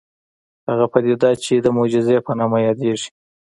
هغه پديده چې د معجزې په نامه يادېږي.